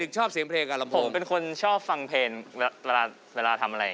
ดูว่าไหล่ดูว่าไหล่